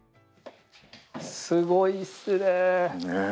すごいっすね。